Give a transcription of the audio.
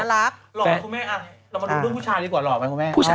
หล่อคุณแม่เรามาดูเรื่องผู้ชายดีกว่าหล่อไหมคุณแม่